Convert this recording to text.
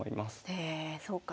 へえそうか